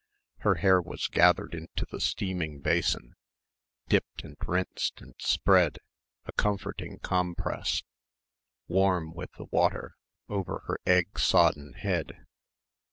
Her hair was gathered into the steaming basin dipped and rinsed and spread, a comforting compress, warm with the water, over her egg sodden head.